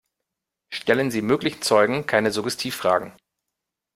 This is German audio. Stellen Sie möglichen Zeugen keine Suggestivfragen.